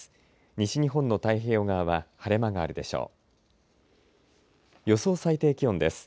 西日本の太平洋側は晴れ間があるでしょう。